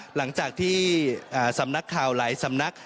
หลังจากที่สำนักข่าวหลายสำนัก